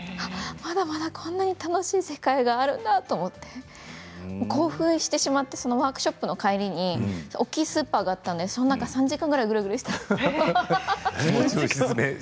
まだまだこんな楽しい世界があるんだと思って興奮してしまって、そのワークショップの帰りに大きいスーパーがあったのでその中３時間ぐらいぐるぐるして。